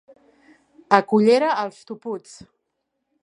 A Cullera, els toputs.